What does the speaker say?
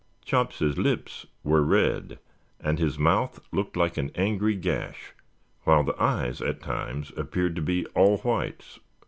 Chops's lips were red and his mouth looked like an angry gash, while the eyes at times appeared to be all whites.